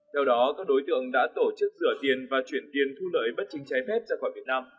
theo đó các đối tượng đã tổ chức rửa tiền và chuyển tiền thu lợi bất chính trái phép ra khỏi việt nam